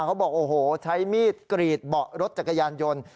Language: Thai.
เขาบอกโอ้โหใช้มีดกรีดเบาะรถจักรยานยนต์